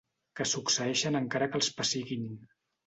Que succeeixen encara que els pessiguin.